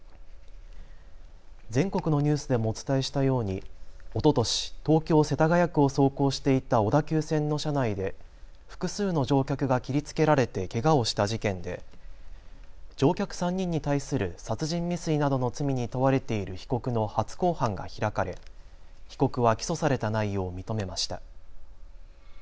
全国のニュースでもお伝えしたように、おととし東京世田谷区を走行していた小田急線の車内で複数の乗客が切りつけられてけがをした事件で乗客３人に対する殺人未遂などの罪に問われている被告の初公判が開かれ被告は起訴された内容を認めました。